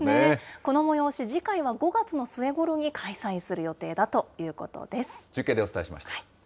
この催し、次回は５月の末ごろに開催する予定だということです。